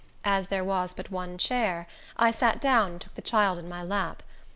As there was but one chair, I sat down and took the child in my lap.